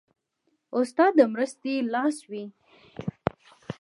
استاد د مرستې لاس وي.